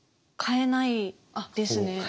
変えないですね。